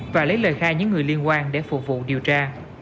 và lấy lời khai những người liên quan để phục vụ điều tra